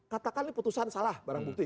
katakan ini putusan salah barang bukti